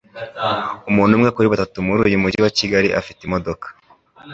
Umuntu umwe kuri batatu muri uyu mujyi afite imodoka.